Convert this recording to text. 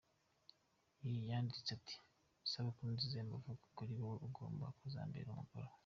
Y yanditse ati “Isabukuru nziza y’amavuko kuri wowe ugomba kuzambera umugore.